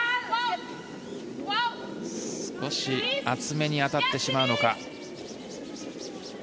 少し厚めに当たってしまうのか。